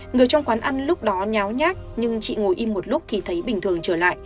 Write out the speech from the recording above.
người trong quán ăn lúc đó nháo nhát nhưng chị ngồi im một lúc thì thấy bình thường trở lại